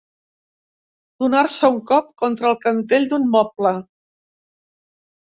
Donar-se un cop contra el cantell d'un moble.